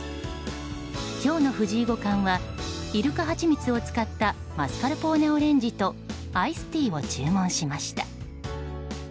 今日の藤井五冠は入鹿はちみつを使ったマスカルポーネオレンジとアイスティーを注文しました。